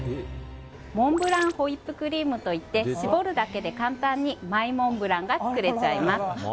モンブランホイップクリームといって絞るだけで簡単にマイモンブランが作れちゃいます。